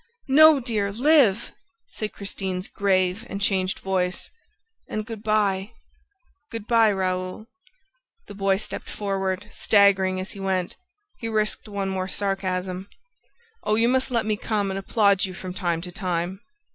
"No, dear, live!" said Christine's grave and changed voice. "And ... good by. Good by, Raoul ..." The boy stepped forward, staggering as he went. He risked one more sarcasm: "Oh, you must let me come and applaud you from time to time!"